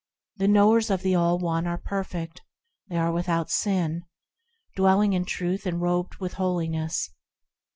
The knowers of the All One are perfect ; They are without sin, Dwelling in Truth and robed with holiness.